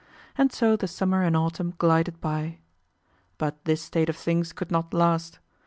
And so the summer and autumn glided by. But this state of things could not last.